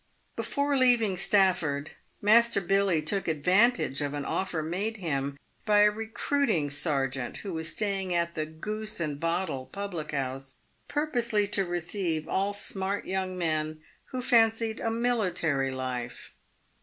Before leaving Stafford, Master Billy took advantage of an offer made him by a recruiting sergeant who was staying at the "Gk>ose and Bottle" public house purposely to receive all smart young men who fancied a military life.